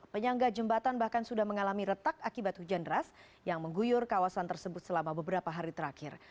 penyangga jembatan bahkan sudah mengalami retak akibat hujan deras yang mengguyur kawasan tersebut selama beberapa hari terakhir